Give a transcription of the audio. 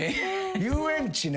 遊園地ね。